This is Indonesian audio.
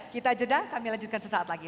kita jeda kami lanjutkan sesaat lagi